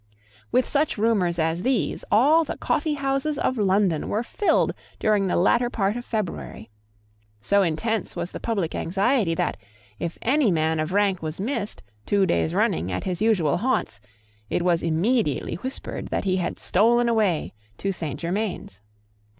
With such rumours as these all the coffeehouses of London were filled during the latter part of February. So intense was the public anxiety that, if any man of rank was missed, two days running, at his usual haunts, it was immediately whispered that he had stolen away to Saint Germains.